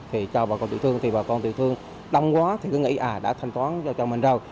thì cho bà con tiểu thương thì bà con tiểu thương đông quá thì cứ nghĩ à đã thanh toán cho mình rồi